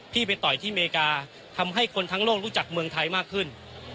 ไปต่อยที่อเมริกาทำให้คนทั้งโลกรู้จักเมืองไทยมากขึ้น